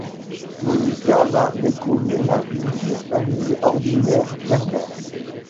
Monica va découvrir la vie d'une famille ordinaire Bérbère.